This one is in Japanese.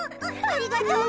ありがとう！